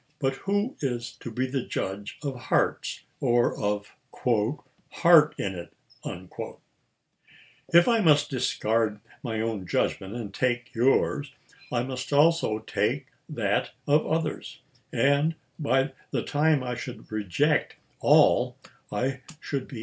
But who is to be the judge of hearts, or of " heart in it n f If I must discard my own judgment, and take yours, I must also take that of others j and by the time I should reject all I should be 364 ABKAHAM LINCOLN Ch.